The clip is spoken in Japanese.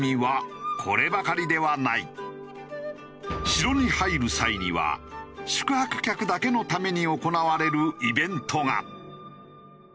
城に入る際には宿泊客だけのために行われるイベントが。